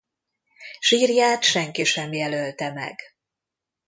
Sírját senki sem jelölte meg.